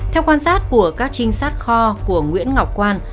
theo quan sát của các trinh sát kho của nguyễn ngọc quan